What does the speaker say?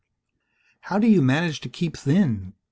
"How do you manage to keep thin?"